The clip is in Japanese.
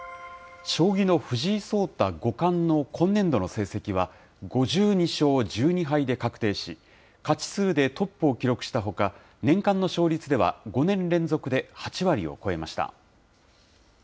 将棋の藤井聡太五冠の今年度の成績は５２勝１２敗で確定し、勝ち数でトップを記録したほか、年間の勝率では、５年連続で８割を超えました。